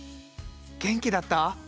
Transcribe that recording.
元気だった？